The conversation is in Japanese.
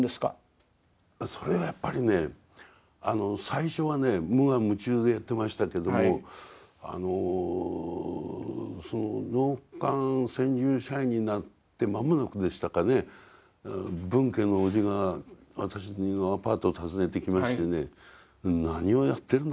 それはやっぱりね最初はね無我夢中でやってましたけどもその納棺専従社員になって間もなくでしたかね分家のおじが私のアパートを訪ねてきましてね何をやってるんだと。